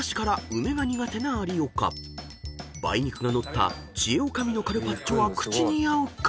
［梅肉が載った智絵女将のカルパッチョは口に合うか？］